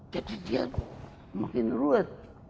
jadi dia makin ruwet